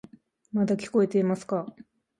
まだ聞こえていますか？